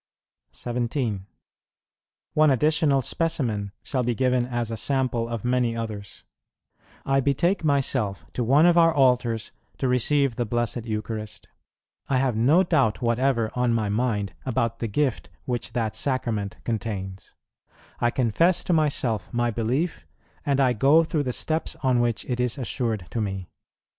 17. One additional specimen shall be given as a sample of many others: I betake myself to one of our altars to receive the Blessed Eucharist; I have no doubt whatever on my mind about the Gift which that Sacrament contains; I confess to myself my belief, and I go through the steps on which it is assured to me.